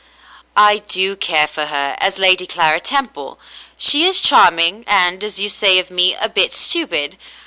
" I do care for her — as Lady Clara Temple. She is charming, and, as you say of me, a bit stupid.